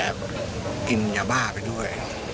เขาแอบกินหยาบ้าไปด้วย